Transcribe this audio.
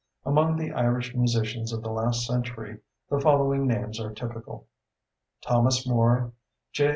Among the Irish musicians of the last century the following names are typical: Thomas Moore, J.